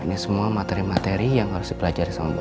ini semua materi materi yang harus dipelajari sama buah